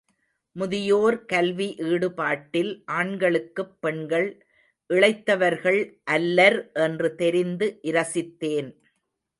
முதியோர் கல்வி ஈடுபாட்டில், ஆண்களுக்குப் பெண்கள் இளைத்தவர்கள் அல்லர் என்று தெரிந்து இரசித்தேன்.